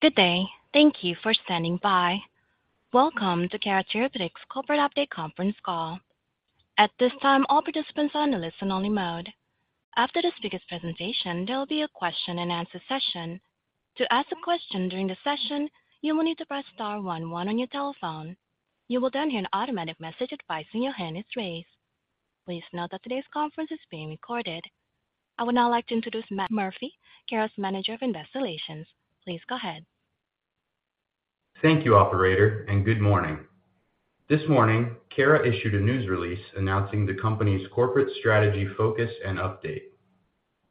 Good day. Thank you for standing by. Welcome to Cara Therapeutics Corporate Update Conference Call. At this time, all participants are on a listen-only mode. After the speaker's presentation, there will be a question-and-answer session. To ask a question during the session, you will need to press star one one on your telephone. You will then hear an automatic message advising your hand is raised. Please note that today's conference is being recorded. I would now like to introduce Matt Murphy, Cara's Manager of Investor Relations. Please go ahead. Thank you, operator, and good morning. This morning, Cara issued a news release announcing the company's corporate strategy, focus, and update.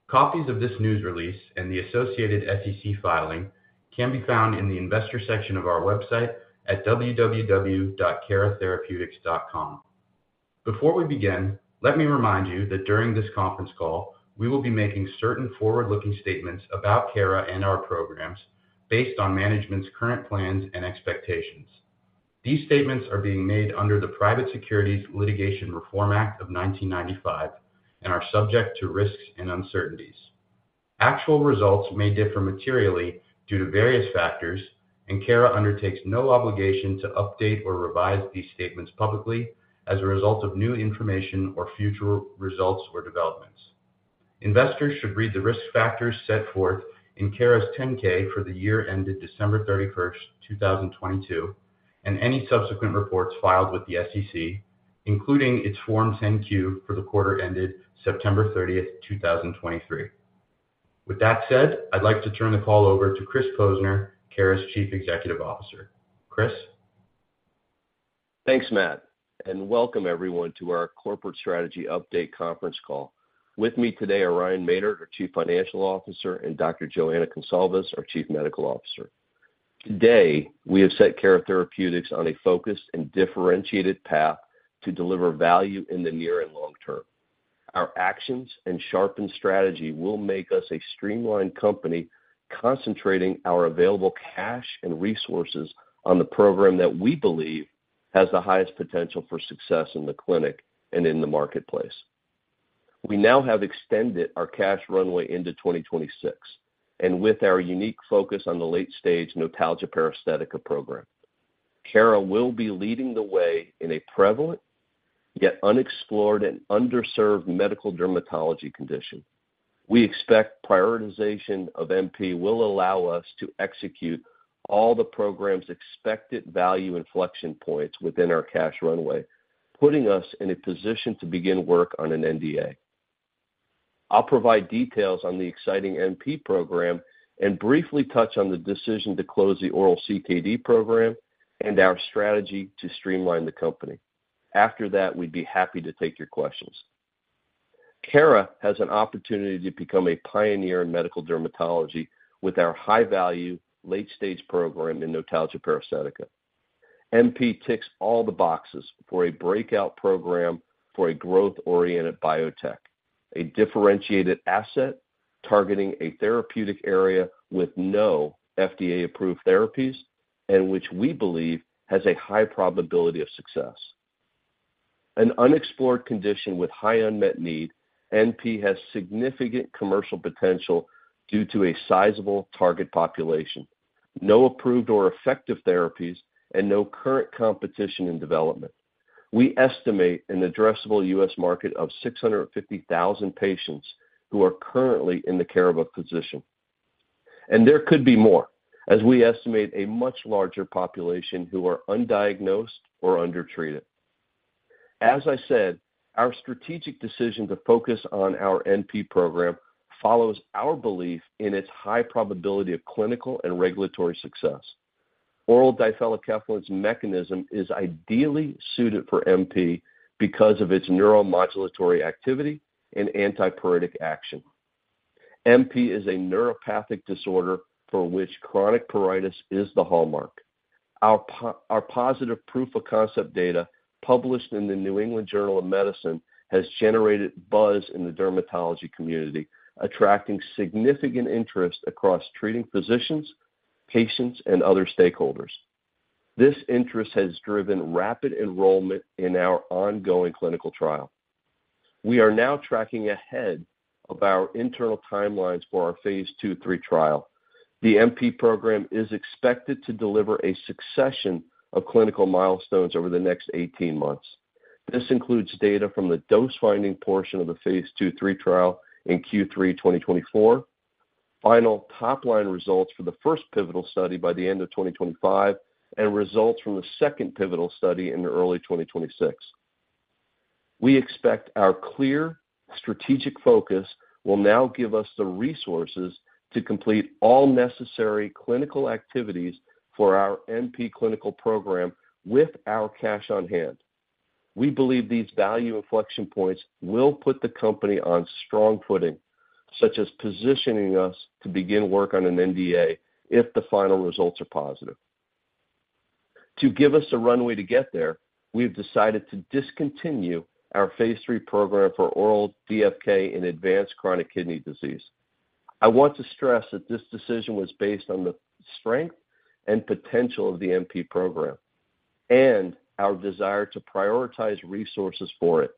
Copies of this news release and the associated SEC filing can be found in the investor section of our website at www.caratherapeutics.com. Before we begin, let me remind you that during this conference call, we will be making certain forward-looking statements about Cara and our programs based on management's current plans and expectations. These statements are being made under the Private Securities Litigation Reform Act of 1995 and are subject to risks and uncertainties. Actual results may differ materially due to various factors, and Cara undertakes no obligation to update or revise these statements publicly as a result of new information or future results or developments. Investors should read the risk factors set forth in Cara's 10-K for the year ended December 31, 2022, and any subsequent reports filed with the SEC, including its Form 10-Q for the quarter ended September 30, 2023. With that said, I'd like to turn the call over to Chris Posner, Cara's Chief Executive Officer. Chris? Thanks, Matt, and welcome everyone to our corporate strategy update conference call. With me today are Ryan Maynard, our Chief Financial Officer, and Dr. Joana Goncalves, our Chief Medical Officer. Today, we have set Cara Therapeutics on a focused and differentiated path to deliver value in the near and long term. Our actions and sharpened strategy will make us a streamlined company, concentrating our available cash and resources on the program that we believe has the highest potential for success in the clinic and in the marketplace. We now have extended our cash runway into 2026, and with our unique focus on the late-stage notalgia paresthetica program, Cara will be leading the way in a prevalent, yet unexplored and underserved medical dermatology condition. We expect prioritization of NP will allow us to execute all the program's expected value inflection points within our cash runway, putting us in a position to begin work on an NDA. I'll provide details on the exciting NP program and briefly touch on the decision to close the oral CKD program and our strategy to streamline the company. After that, we'd be happy to take your questions. Cara has an opportunity to become a pioneer in medical dermatology with our high-value, late-stage program in notalgia paresthetica. NP ticks all the boxes for a breakout program for a growth-oriented biotech, a differentiated asset targeting a therapeutic area with no FDA-approved therapies and which we believe has a high probability of success. An unexplored condition with high unmet need, NP has significant commercial potential due to a sizable target population, no approved or effective therapies, and no current competition in development. We estimate an addressable U.S. market of 650,000 patients who are currently in the care of a physician, and there could be more, as we estimate a much larger population who are undiagnosed or undertreated. As I said, our strategic decision to focus on our NP program follows our belief in its high probability of clinical and regulatory success. Oral difelikefalin's mechanism is ideally suited for NP because of its neuromodulatory activity and antipruritic action. NP is a neuropathic disorder for which chronic pruritus is the hallmark. Our positive proof of concept data, published in the New England Journal of Medicine, has generated buzz in the dermatology community, attracting significant interest across treating physicians, patients, and other stakeholders. This interest has driven rapid enrollment in our ongoing clinical trial. We are now tracking ahead of our internal timelines for our phase 2/3 trial. The NP program is expected to deliver a succession of clinical milestones over the next 18 months. This includes data from the dose-finding portion of the phase 2/3 trial in Q3 2024, final top-line results for the first pivotal study by the end of 2025, and results from the second pivotal study in early 2026. We expect our clear strategic focus will now give us the resources to complete all necessary clinical activities for our NP clinical program with our cash on hand. We believe these value inflection points will put the company on strong footing, such as positioning us to begin work on an NDA if the final results are positive. To give us a runway to get there, we've decided to discontinue our phase 3 program for oral DFK in advanced chronic kidney disease. I want to stress that this decision was based on the strength and potential of the NP program and our desire to prioritize resources for it...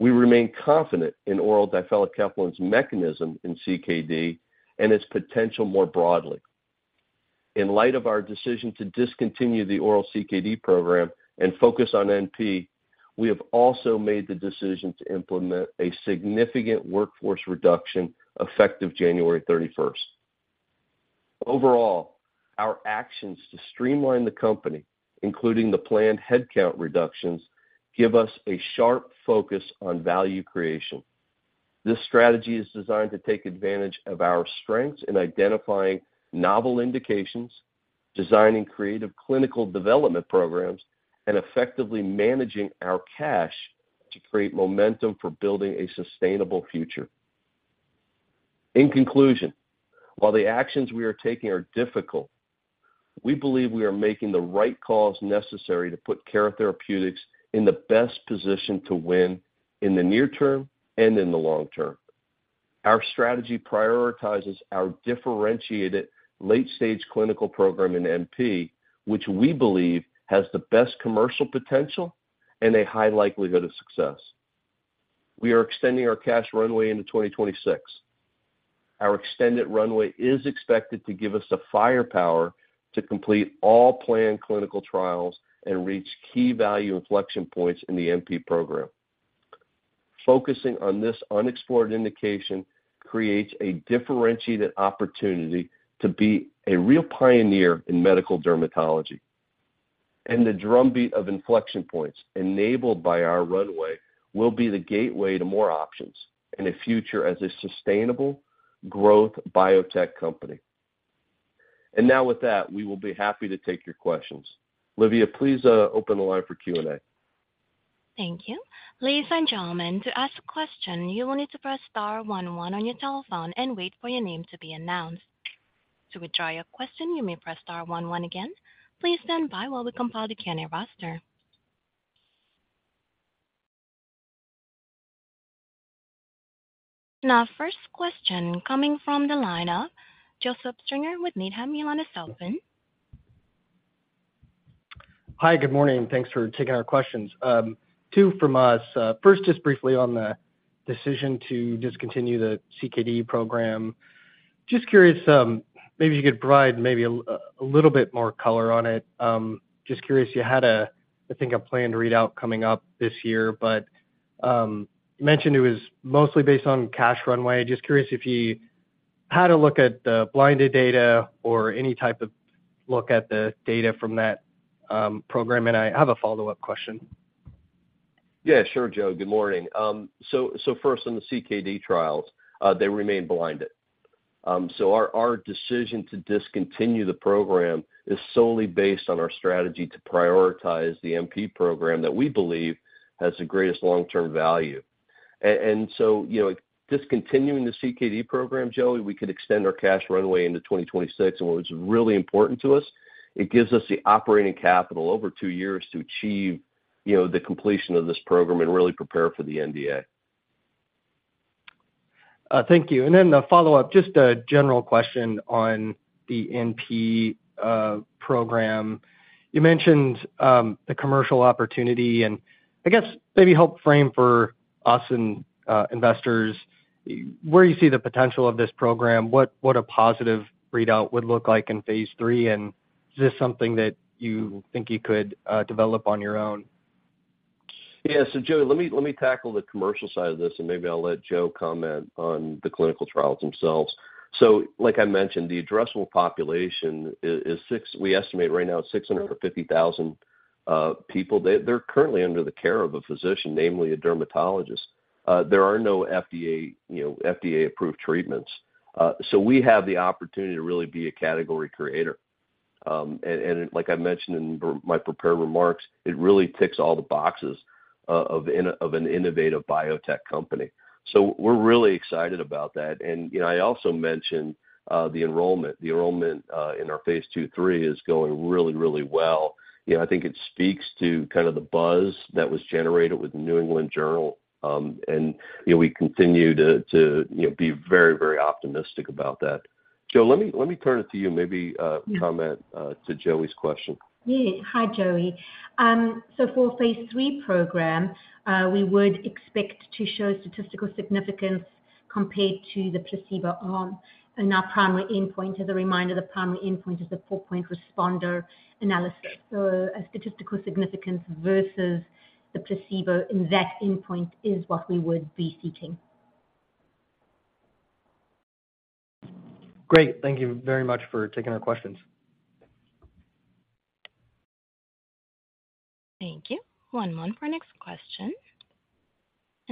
We remain confident in oral difelikefalin's mechanism in CKD and its potential more broadly. In light of our decision to discontinue the oral CKD program and focus on NP, we have also made the decision to implement a significant workforce reduction effective January 31. Overall, our actions to streamline the company, including the planned headcount reductions, give us a sharp focus on value creation. This strategy is designed to take advantage of our strengths in identifying novel indications, designing creative clinical development programs, and effectively managing our cash to create momentum for building a sustainable future. In conclusion, while the actions we are taking are difficult, we believe we are making the right calls necessary to put Cara Therapeutics in the best position to win in the near term and in the long term. Our strategy prioritizes our differentiated late-stage clinical program in NP, which we believe has the best commercial potential and a high likelihood of success. We are extending our cash runway into 2026. Our extended runway is expected to give us the firepower to complete all planned clinical trials and reach key value inflection points in the NP program. Focusing on this unexplored indication creates a differentiated opportunity to be a real pioneer in medical dermatology. The drumbeat of inflection points enabled by our runway will be the gateway to more options and a future as a sustainable growth biotech company. And now, with that, we will be happy to take your questions. Livia, please, open the line for Q&A. Thank you. Ladies and gentlemen, to ask a question, you will need to press star one one on your telephone and wait for your name to be announced. To withdraw your question, you may press star one one again. Please stand by while we compile the Q&A roster. Now, first question coming from the line of Joseph Stringer with Needham. Your line is open. Hi, good morning. Thanks for taking our questions. Two from us. First, just briefly on the decision to discontinue the CKD program. Just curious, maybe you could provide a little bit more color on it. Just curious, you had, I think, a planned readout coming up this year, but you mentioned it was mostly based on cash runway. Just curious if you had a look at the blinded data or any type of look at the data from that program? And I have a follow-up question. Yeah, sure, Joe. Good morning. So first, on the CKD trials, they remain blinded. So our decision to discontinue the program is solely based on our strategy to prioritize the NP program that we believe has the greatest long-term value. And so, you know, discontinuing the CKD program, Joe, we could extend our cash runway into 2026. And what was really important to us, it gives us the operating capital over two years to achieve, you know, the completion of this program and really prepare for the NDA. Thank you. Then the follow-up, just a general question on the NP program. You mentioned the commercial opportunity, and I guess maybe help frame for us and investors where you see the potential of this program, what a positive readout would look like in phase 3, and is this something that you think you could develop on your own? Yeah. So, Joe, let me tackle the commercial side of this, and maybe I'll let Jo comment on the clinical trials themselves. So like I mentioned, the addressable population is we estimate right now it's 650,000 people. They're currently under the care of a physician, namely a dermatologist. There are no FDA, you know, FDA-approved treatments. So we have the opportunity to really be a category creator. And like I mentioned in my prepared remarks, it really ticks all the boxes of an innovative biotech company. So we're really excited about that. And, you know, I also mentioned the enrollment. The enrollment in our phase 2/3 is going really, really well. You know, I think it speaks to kind of the buzz that was generated with the New England Journal.You know, we continue to, you know, be very, very optimistic about that. Jo, let me turn it to you, maybe comment to Joe's question. Yeah. Hi, Joey. So for phase 3 program, we would expect to show statistical significance compared to the placebo arm. And our primary endpoint, as a reminder, the primary endpoint is the 4-point responder analysis. So a statistical significance versus the placebo in that endpoint is what we would be seeking. Great. Thank you very much for taking our questions. Thank you. One moment for next question.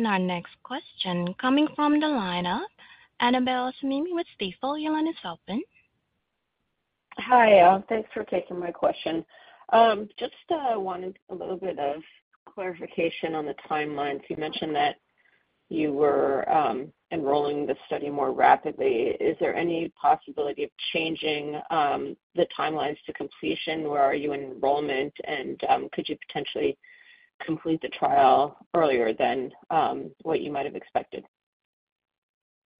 Our next question coming from the line of Annabel Samimy with Stifel. Your line is open. Hi, thanks for taking my question. Just wanted a little bit of clarification on the timelines. You mentioned that you were enrolling the study more rapidly. Is there any possibility of changing the timelines to completion? Where are you in enrollment? And could you potentially complete the trial earlier than what you might have expected?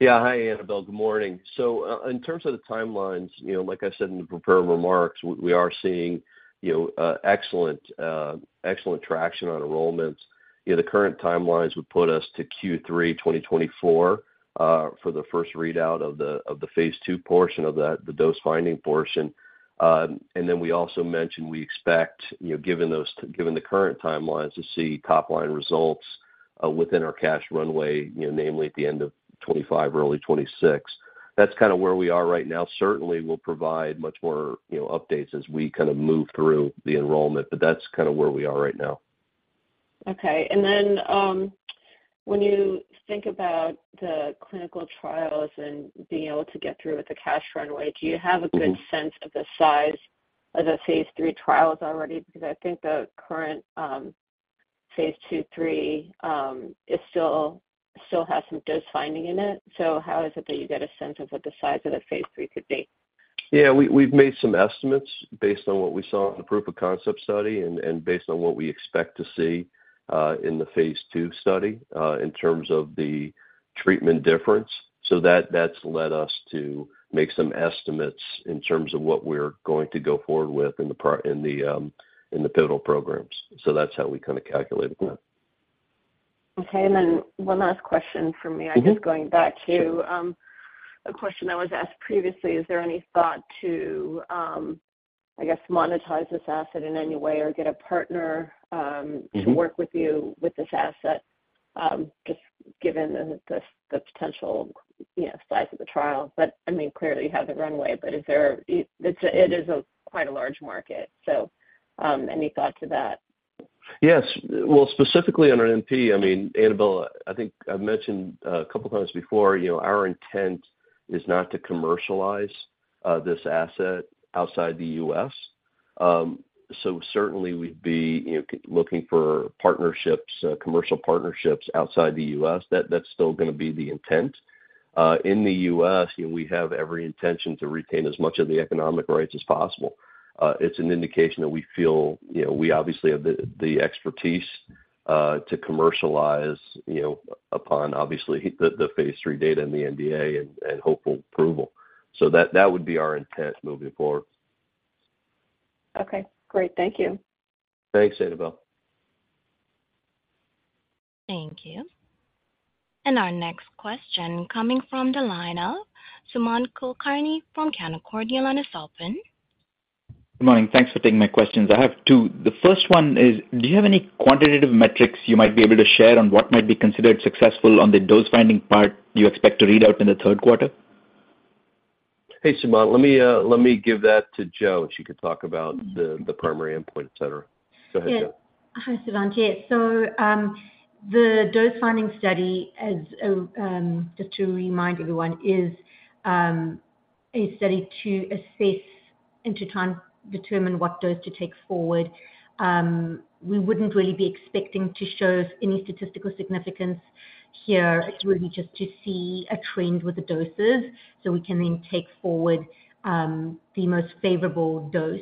Yeah. Hi, Annabel. Good morning. So, in terms of the timelines, you know, like I said in the prepared remarks, we, we are seeing, you know, excellent, excellent traction on enrollments. You know, the current timelines would put us to Q3 2024, for the first readout of the, of the phase 2 portion of that, the dose finding portion. And then we also mentioned we expect, you know, given those, given the current timelines, to see top line results, within our cash runway, you know, namely at the end of 2025, early 2026. That's kind of where we are right now. Certainly, we'll provide much more, you know, updates as we kind of move through the enrollment, but that's kind of where we are right now. Okay. And then, when you think about the clinical trials and being able to get through with the cash runway, do you have a good sense of the size of the phase 3 trials already? Because I think the current phase 2/3 still has some dose finding in it. So how is it that you get a sense of what the size of the phase 3 could be? Yeah, we've made some estimates based on what we saw in the proof of concept study and based on what we expect to see in the phase 2 study in terms of the treatment difference. So that's led us to make some estimates in terms of what we're going to go forward with in the pivotal programs. So that's how we kind of calculated that. Okay. And then one last question for me. Mm-hmm. I'm just going back to a question that was asked previously. Is there any thought to, I guess, monetize this asset in any way or get a partner? Mm-hmm to work with you with this asset, just given the potential, you know, size of the trial? But, I mean, clearly you have the runway, but is there... It's quite a large market, so, any thought to that? Yes. Well, specifically on our NP, I mean, Annabel, I think I've mentioned a couple of times before, you know, our intent is not to commercialize this asset outside the U.S. So certainly we'd be, you know, looking for partnerships, commercial partnerships outside the U.S. That, that's still going to be the intent. In the U.S., you know, we have every intention to retain as much of the economic rights as possible. It's an indication that we feel, you know, we obviously have the expertise to commercialize, you know, upon obviously the phase three data and the NDA and hopeful approval. So that would be our intent moving forward. Okay, great. Thank you. Thanks, Annabel. Thank you. And our next question coming from the line of Sumant Kulkarni from Canaccord Genuity. Your line is open. Good morning. Thanks for taking my questions. I have two. The first one is, do you have any quantitative metrics you might be able to share on what might be considered successful on the dose-finding part you expect to read out in the third quarter? Hey, Sumant, let me, let me give that to Jo, and she could talk about the, the primary endpoint, et cetera. Go ahead, Jo. Yeah. Hi, Sumant. Yeah. So, the dose-finding study, as just to remind everyone, is a study to assess and to try and determine what dose to take forward. We wouldn't really be expecting to show any statistical significance here. It's really just to see a trend with the doses, so we can then take forward the most favorable dose,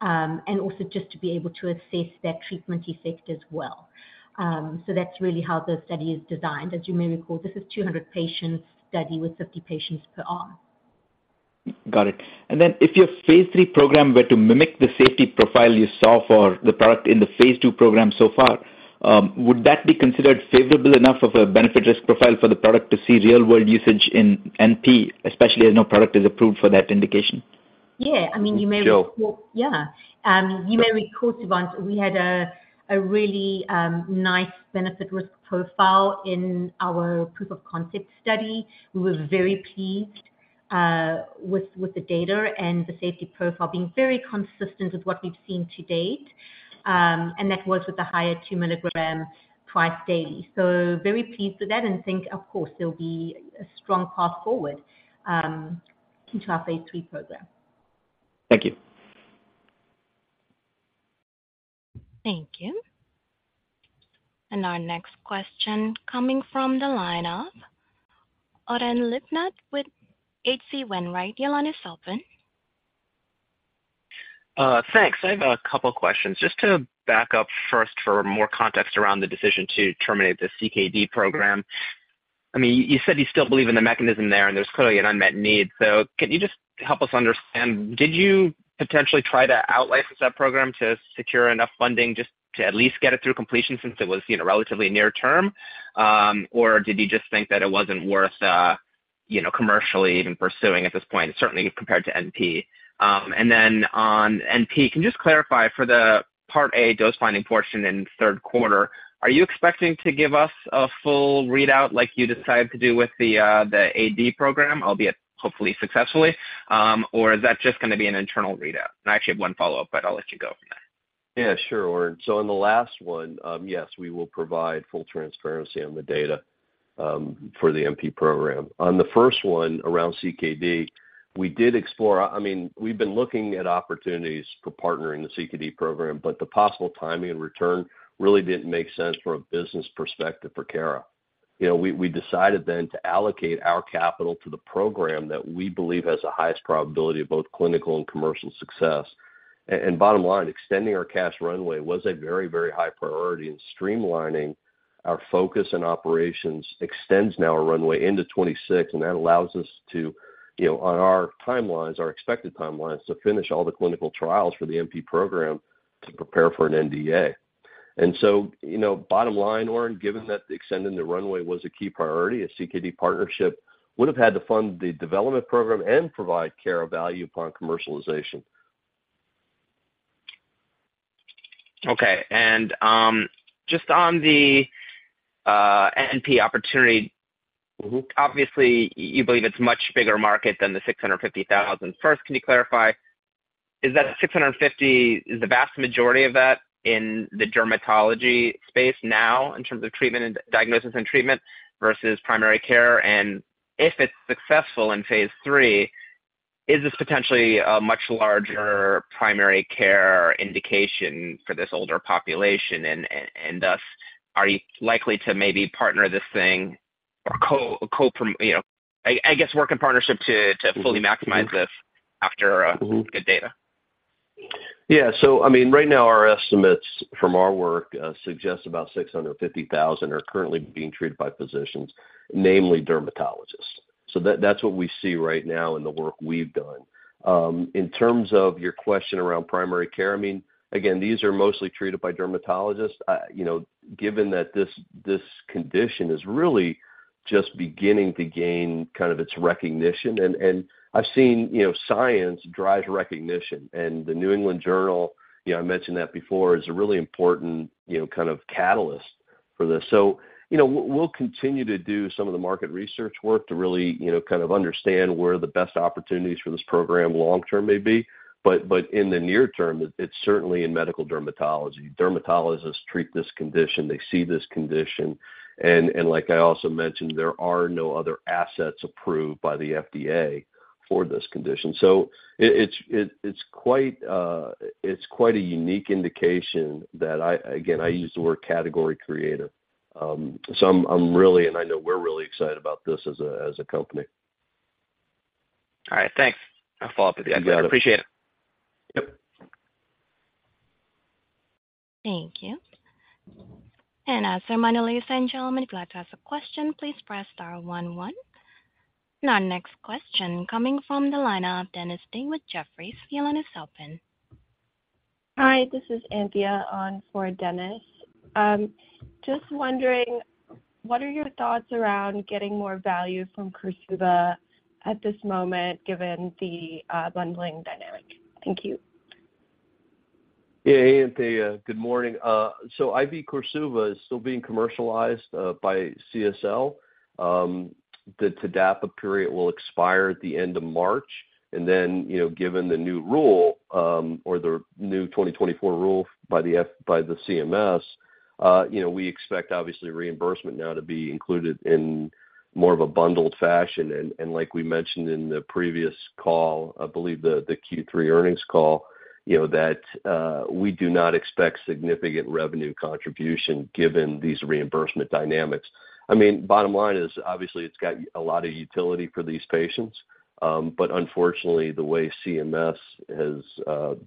and also just to be able to assess that treatment effect as well. So that's really how the study is designed. As you may recall, this is a 200-patient study with 50 patients per arm. Got it. And then if your phase 3 program were to mimic the safety profile you saw for the product in the phase 2 program so far, would that be considered favorable enough of a benefit risk profile for the product to see real world usage in NP, especially as no product is approved for that indication? Yeah, I mean, you may recall- Sure. Yeah. You may recall, Sumant, we had a really nice benefit-risk profile in our proof of concept study. We were very pleased with the data and the safety profile being very consistent with what we've seen to date. And that was with the higher 2 mg twice daily. So very pleased with that and think, of course, there'll be a strong path forward into our phase 3 program. Thank you. Thank you. Our next question coming from the line of Oren Livnat with HC Wainwright. Your line is open. Thanks. I have a couple questions. Just to back up first for more context around the decision to terminate the CKD program. I mean, you said you still believe in the mechanism there, and there's clearly an unmet need. So can you just help us understand, did you potentially try to out-license that program to secure enough funding, just to at least get it through completion since it was, you know, relatively near term? Or did you just think that it wasn't worth, you know, commercially even pursuing at this point, certainly compared to NP? And then on NP, can you just clarify for the part A dose finding portion in third quarter, are you expecting to give us a full readout like you decided to do with the AD program, albeit hopefully successfully, or is that just going to be an internal readout? And I actually have one follow-up, but I'll let you go from there. Yeah, sure, Oren. So in the last one, yes, we will provide full transparency on the data for the NP program. On the first one, around CKD, we did explore. I mean, we've been looking at opportunities for partnering the CKD program, but the possible timing and return really didn't make sense from a business perspective for Cara. You know, we decided then to allocate our capital to the program that we believe has the highest probability of both clinical and commercial success. And bottom line, extending our cash runway was a very, very high priority, and streamlining our focus and operations extends now our runway into 2026, and that allows us to, you know, on our timelines, our expected timelines, to finish all the clinical trials for the NP program to prepare for an NDA. You know, bottom line, Oren, given that extending the runway was a key priority, a CKD partnership would have had to fund the development program and provide care of value upon commercialization. Okay. And just on the NP opportunity, obviously, you believe it's a much bigger market than the 650,000. First, can you clarify, is that 650,000, is the vast majority of that in the dermatology space now, in terms of treatment and diagnosis and treatment versus primary care? And if it's successful in phase 3, is this potentially a much larger primary care indication for this older population? And thus, are you likely to maybe partner this thing or co-promote, you know, I guess, work in partnership to fully maximize this after good data? Yeah. So I mean, right now, our estimates from our work suggest about 650,000 are currently being treated by physicians, namely dermatologists. So that, that's what we see right now in the work we've done. In terms of your question around primary care, I mean, again, these are mostly treated by dermatologists. You know, given that this, this condition is really just beginning to gain kind of its recognition, and I've seen, you know, science drives recognition. And the New England Journal, you know, I mentioned that before, is a really important, you know, kind of catalyst for this. So, you know, we'll, we'll continue to do some of the market research work to really, you know, kind of understand where the best opportunities for this program long term may be. But, but in the near term, it's certainly in medical dermatology. Dermatologists treat this condition, they see this condition, and like I also mentioned, there are no other assets approved by the FDA for this condition. So it's quite a unique indication that I... Again, I use the word category creative. So I'm really, and I know we're really excited about this as a company. All right. Thanks. I'll follow up with you. You got it. I appreciate it. Yep. Thank you. As a reminder, ladies and gentlemen, if you'd like to ask a question, please press star 1 1. Our next question coming from the line of Dennis Ding with Jefferies. The line is open. Hi, this is Anthea on for Dennis. Just wondering, what are your thoughts around getting more value from KORSUVA at this moment, given the bundling dynamic? Thank you. Yeah. Hey, Anthea, good morning. So IV KORSUVA is still being commercialized by CSL. The TDAPA period will expire at the end of March, and then, you know, given the new rule, or the new 2024 rule by the CMS, you know, we expect obviously reimbursement now to be included in more of a bundled fashion. And like we mentioned in the previous call, I believe the Q3 earnings call, you know, that we do not expect significant revenue contribution given these reimbursement dynamics. I mean, bottom line is, obviously, it's got a lot of utility for these patients. But unfortunately, the way CMS has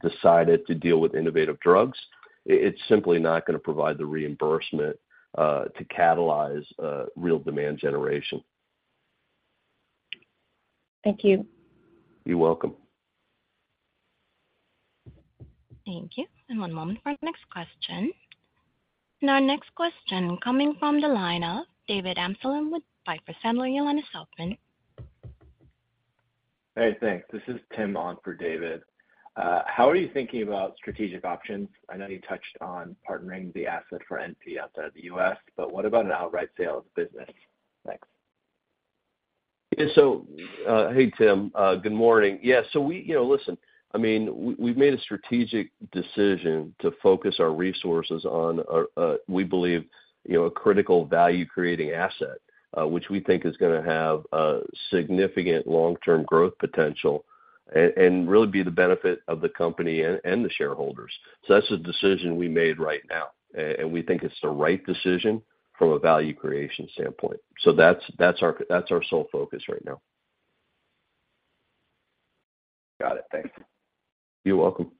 decided to deal with innovative drugs, it's simply not gonna provide the reimbursement to catalyze real demand generation. Thank you. You're welcome. Thank you. One moment for the next question. Our next question coming from the line of David Amsellem with Piper Sandler. Your line is open. Hey, thanks. This is Tim on for David. How are you thinking about strategic options? I know you touched on partnering the asset for NP outside the U.S., but what about an outright sale of the business? Thanks. Yeah. So, hey, Tim, good morning. Yeah, so we... You know, listen, I mean, we've made a strategic decision to focus our resources on a, we believe, you know, a critical value-creating asset, which we think is gonna have a significant long-term growth potential and really be the benefit of the company and the shareholders. So that's a decision we made right now, and we think it's the right decision from a value creation standpoint. So that's our sole focus right now. Got it. Thanks. You're welcome.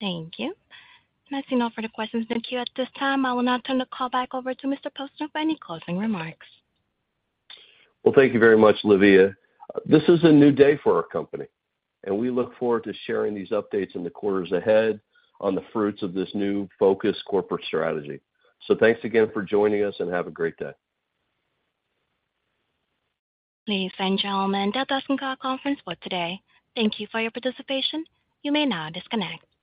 Thank you. That's all for the questions in the queue at this time. I will now turn the call back over to Mr. Posner for any closing remarks. Well, thank you very much, Livia. This is a new day for our company, and we look forward to sharing these updates in the quarters ahead on the fruits of this new focused corporate strategy. Thanks again for joining us, and have a great day. Ladies and gentlemen, that does end our conference for today. Thank you for your participation. You may now disconnect.